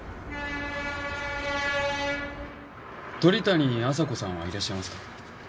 鳥谷亜沙子さんはいらっしゃいますか？